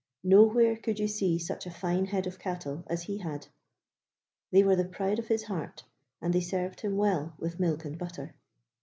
Nowhere could you see such a fine head of cattle as he had; they were the pride of his heart, and they served him well with milk and butter.